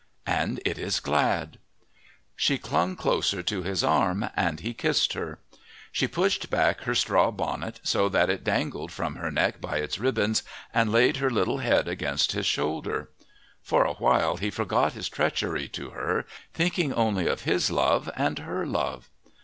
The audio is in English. And it is glad!" She clung closer to his arm, and he kissed her. She pushed back her straw bonnet, so that it dangled from her neck by its ribands, and laid her little head against his shoulder. For a while he forgot his treachery to her, thinking only of his love and her love.